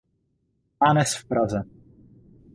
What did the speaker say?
Mánes v Praze.